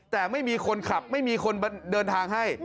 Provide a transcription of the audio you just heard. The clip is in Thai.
แต่ไม่มีคนขับไม่มีคนเดินทางให้